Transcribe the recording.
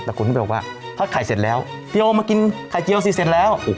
แต่คุณก็บอกว่าทอดไข่เสร็จแล้วพี่โอมากินไข่เจียวสิเสร็จแล้ว